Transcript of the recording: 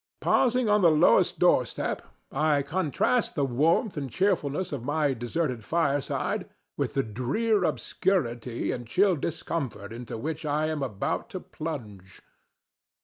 Pausing on the lowest doorstep, I contrast the warmth and cheerfulness of my deserted fireside with the drear obscurity and chill discomfort into which I am about to plunge.